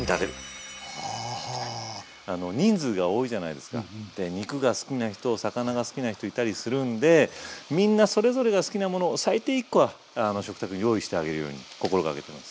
で肉が好きな人魚が好きな人いたりするんでみんなそれぞれが好きなものを最低１個は食卓に用意してあげるように心がけてます。